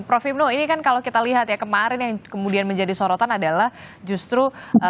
prof imno ini kan kalau kita lihat ya kemarin yang kemudian menjadi sorotan adalah justru